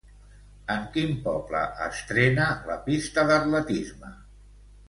En quin poble estrena la pista d'atletisme?